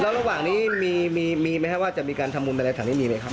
แล้วระหว่างนี้มีไหมว่าจะมีการทำบุญไปในทางนี้มีไหมครับ